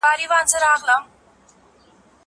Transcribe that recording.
زه کولای سم انځورونه رسم کړم.